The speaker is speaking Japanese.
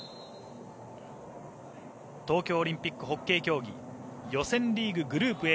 東京オリンピックホッケー競技予選リーググループＡ